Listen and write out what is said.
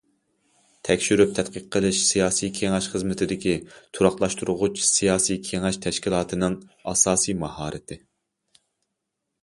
تەكشۈرۈپ تەتقىق قىلىش سىياسىي كېڭەش خىزمىتىدىكى« تۇراقلاشتۇرغۇچ»، سىياسىي كېڭەش تەشكىلاتىنىڭ ئاساسىي ماھارىتى.